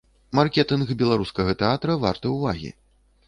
Маркетынг беларускага тэатра варты ўвагі.